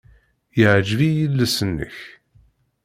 Yeɛjeb-iyi yiles-nnek.